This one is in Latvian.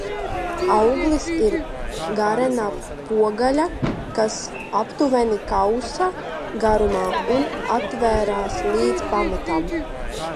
Auglis ir garena pogaļa, kas aptuveni kausa garumā un atveras līdz pamatam.